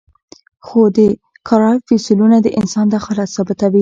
خو د کارایب فسیلونه د انسان دخالت ثابتوي.